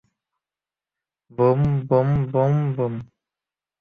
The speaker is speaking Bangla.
Broom, boom, boom, broom!